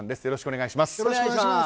よろしくお願いします。